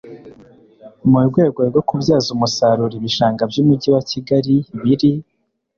Mu rwego rwo kubyaza umusaruro ibishanga by Umujyi wa Kigali biri